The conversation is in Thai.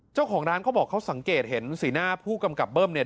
เจ้าของร้านเขาบอกเขาสังเกตเห็นสีหน้าผู้กำกับเบิ้มเนี่ย